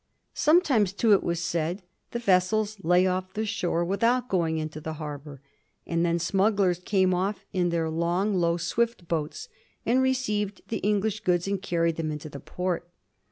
Sometimes, too, it was said, the vessels lay off the shore without going into the harbor; and then smugglers came off in their long, low, swift boats, and received the English goods and carried them into the port.